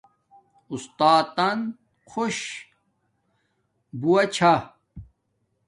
اُستاتن خوش بوہ چھا